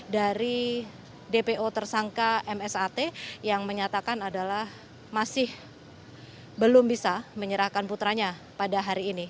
dari dpo tersangka msat yang menyatakan adalah masih belum bisa menyerahkan putranya pada hari ini